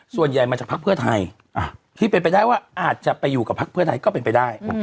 ส่วนใหญ่มาจากภักดิ์เพื่อไทยที่เป็นไปได้ว่าอาจจะไปอยู่กับพักเพื่อไทยก็เป็นไปได้